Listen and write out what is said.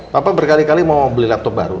bapak berkali kali mau beli laptop baru